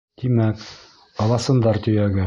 Тимәк, ыласындар төйәге.